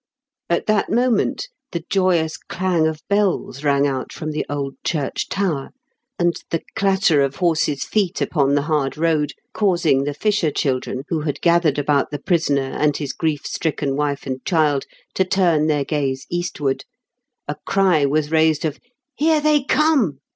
At that moment the joyous clang of bells rang out from the old church tower, and the clatter of horses' feet upon the hard road causing the fisher children who had gathered 290 IN KENT WITH CHARLES DICKENS. about the prisoner and his grief stricken wife and child to turn their gaze eastward, a cry was raised of " Here they come